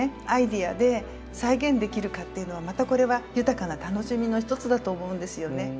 アイデアで再現できるかっていうのはまたこれは豊かな楽しみのひとつだと思うんですよね。